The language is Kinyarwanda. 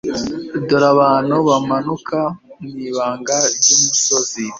dore abantu bamanuka mu ibanga ry'umusozi